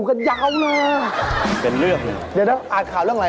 เดี๋ยวนั้นอ่านข่าวเรื่องอะไร